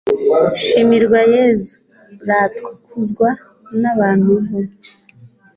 shimirwa yezu, ratwa kuzwa n''abantu bo